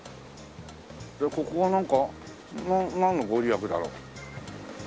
でここはなんかなんの御利益だろう？